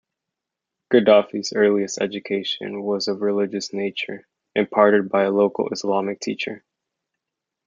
Gaddafi's earliest education was of a religious nature, imparted by a local Islamic teacher.